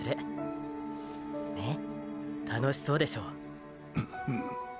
ね楽しそうでしょ？っ！